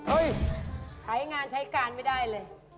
ใช้งานใช้การไม่ได้เลย